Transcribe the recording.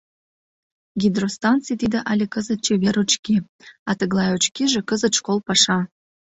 Гидростанций — тиде але кызыт чевер очки, а тыглай очкиже — кызыт школ паша.